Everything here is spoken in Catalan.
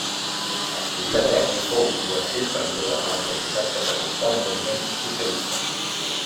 Estudià dret i fou durant aquell període a la universitat que s'acostà al moviment socialista.